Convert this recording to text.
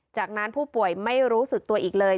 จากนั้นผู้ป่วยไม่รู้สึกตัวอีกเลย